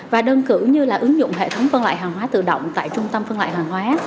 và đơn cử như là ứng dụng hệ thống phân loại hàng hóa tự động tại trung tâm phân loại hàng hóa